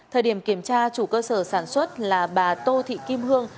thời điểm kiểm tra chủ cơ sở sản xuất là bà tô thị kim hương